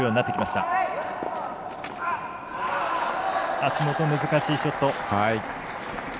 足元難しいショット。